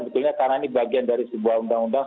karena ini bagian dari sebuah undang undang